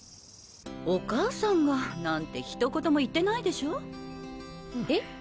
お母さんがなんて一言も言ってないでしょ？え？